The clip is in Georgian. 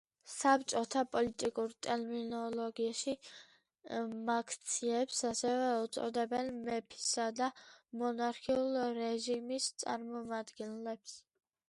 საბჭოთა პოლიტიკურ ტერმინოლოგიაში „მაქციებს“ ასევე უწოდებდნენ მეფისა და მონარქიული რეჟიმის წარმომადგენლებს.